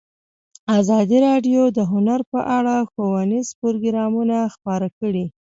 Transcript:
ازادي راډیو د هنر په اړه ښوونیز پروګرامونه خپاره کړي.